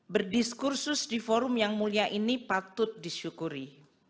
berdiskursus di forum yang mulia ini patut disyukuri